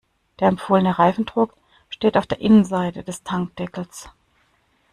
Der empfohlene Reifendruck steht auf der Innenseite des Tankdeckels.